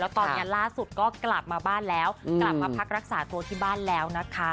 ตอนนี้ล่าสุดก็กลับมาบ้านแล้วกลับมาพักรักษาตัวที่บ้านแล้วนะคะ